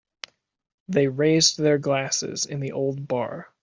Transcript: They raised their glasses in the old bar.